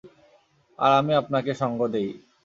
আর আমি আপনাকে সঙ্গ দেই।